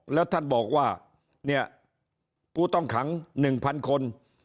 แล้วท่านบอกว่าเนี่ยผู้ต้องขัง๑๐๐คน